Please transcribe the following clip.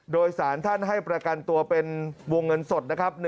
โดยสารท่านให้ประกันตัวเป็นวงเงินสดนะครับ